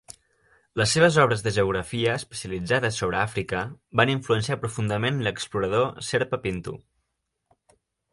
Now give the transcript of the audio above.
Les seves obres de geografia especialitzades sobre Àfrica van influenciar profundament l'explorador Serpa Pinto.